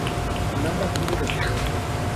Con ambas tuvo descendencia.